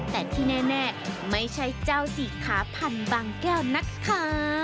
แต่ที่แน่ไม่ใช่เจ้าสี่ขาพันธุ์บางแก้วนะคะ